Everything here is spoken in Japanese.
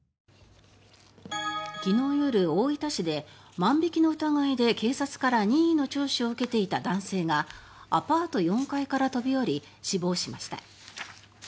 昨日夜大分市で万引きの疑いで警察から任意の聴取を受けていた男性がアパート４階から飛び降り死亡しました。